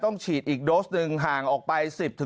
ต้องฉีดอีกโดสนึงห่างออกไป